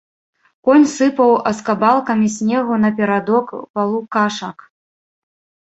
Конь сыпаў аскабалкамі снегу на перадок палукашак.